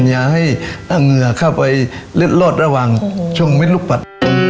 อย่าให้เหงื่อเข้าไปเล็ดรอดระหว่างช่วงมิดลูกปัด